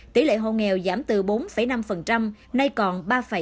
tỷ lệ hồ nghèo giảm từ bốn năm nay còn ba chín mươi bảy